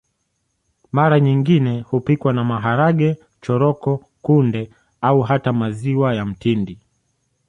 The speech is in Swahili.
Mara nyingine hupikwa na maharage choroko kunde au hata maziwa ya mtindi